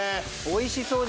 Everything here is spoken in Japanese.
おいしそう！